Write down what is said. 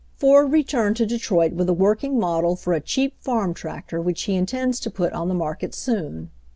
Ford returned to Detroit with a working model for a cheap farm tractor which he intends to put on the market soon.